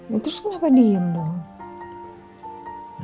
nah terus kenapa diem dong